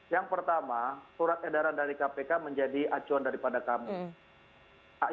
yang pertama surat edaran dari kpk menjadi acuan daripada kami